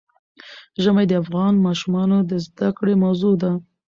ژمی د افغان ماشومانو د زده کړې موضوع ده.